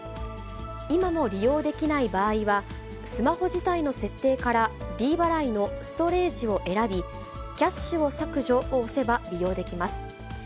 今も利用できない場合は、スマホ自体の設定から、ｄ払いのストレージを選び、キャッシュを削除を押せば利用できます。